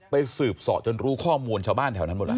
สืบสอจนรู้ข้อมูลชาวบ้านแถวนั้นหมดแล้ว